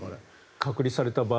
隔離された場合？